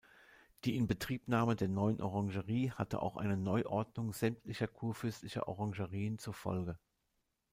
Die Inbetriebnahme der neuen Orangerie hatte auch eine Neuordnung sämtlicher kurfürstlicher Orangerien zur Folge.